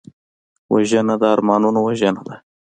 وژنه د ارمانونو وژنه ده